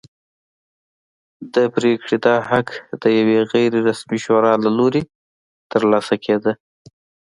د پرېکړې دا حق د یوې غیر رسمي شورا له لوري ترلاسه کېده.